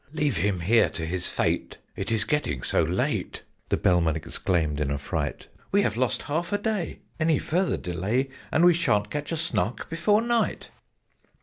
"Leave him here to his fate it is getting so late!" The Bellman exclaimed in a fright. "We have lost half the day. Any further delay, And we sha'n't catch a Snark before night!"